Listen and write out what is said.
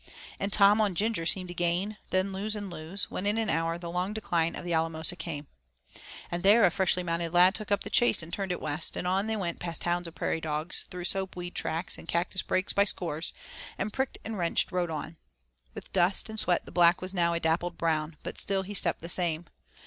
And Tom on Ginger seemed to gain, then lose and lose, when in an hour the long decline of Alamosa came. And there a freshly mounted lad took up the chase and turned it west, and on they went past towns of prairie dogs, through soapweed tracts and cactus brakes by scores, and pricked and wrenched rode on. With dust and sweat the Black was now a dappled brown, but still he stepped the same.